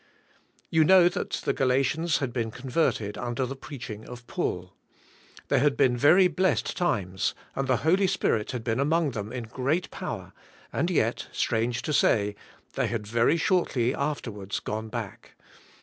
You know that the Galatians had been converted under the preaching of Paul. There had been very blessed times and the Holy Spirit had been among them in great power, and yet, strange to say, they had very shortly after wards gone back.